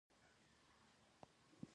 د بادام ګل میله په زابل او سمنګان کې وي.